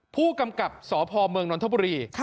ผู้กำกับสพเมืองนทบุรี